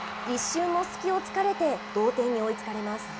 一瞬の隙を突かれて、同点に追いつかれます。